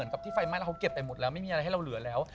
กับที่ไฟไหม้แล้วเขาเก็บไปหมดแล้วไม่มีอะไรให้เราเหลือแล้ว